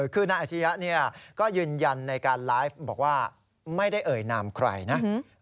คือนายอาชียะก็ยืนยันในการไลฟ์บอกว่าไม่ได้เอ่ยนามใครนะ